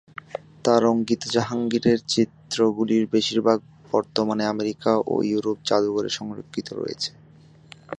তাঁর অঙ্কিত জাহাঙ্গীরের চিত্রগুলির বেশিরভাগ বর্তমানে আমেরিকা ও ইউরোপের জাদুঘরে সংরক্ষিত রয়েছে।